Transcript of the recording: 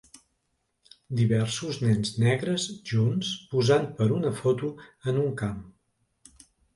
Diversos nens negres junts posant per una foto en un camp.